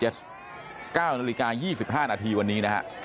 ๙นาฬิกา๒๕นาทีวันนี้นะฮะ